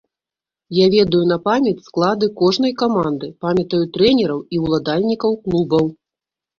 Я ведаю на памяць склады кожнай каманды, памятаю трэнераў і ўладальнікаў клубаў.